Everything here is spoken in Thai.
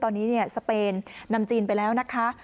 ตอนนี้สเปนนำจีนไปแล้วนะคะ